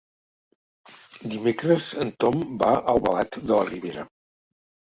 Dimecres en Tom va a Albalat de la Ribera.